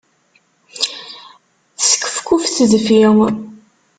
Teskefkuf tedfi.